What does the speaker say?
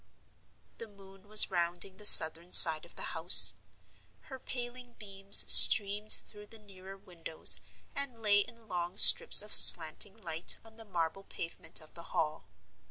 The moon was rounding the southern side of the house. Her paling beams streamed through the nearer windows, and lay in long strips of slanting light on the marble pavement of the Hall.